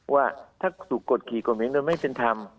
ว่าถ้าถูกกดขี่โครงเพลงโดยไม่เป็นธรรม